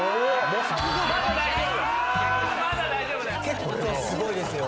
結構すごいですよ